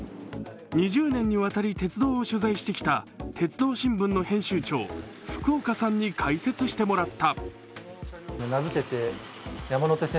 ２０年にわたり鉄道を取材してきた「鉄道新聞」の編集長、福岡さんに解説してもらった。